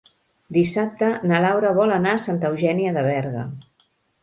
Dissabte na Laura vol anar a Santa Eugènia de Berga.